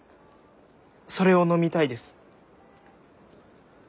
それを飲みたいです。